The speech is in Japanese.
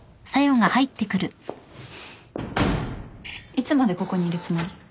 ・・いつまでここにいるつもり？